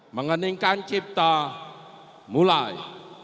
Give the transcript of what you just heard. mengenikan cipta mulai